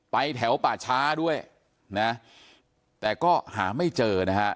แถวป่าช้าด้วยนะแต่ก็หาไม่เจอนะฮะ